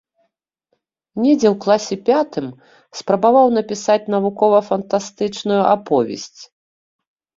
Недзе ў класе пятым спрабаваў напісаць навукова-фантастычную аповесць.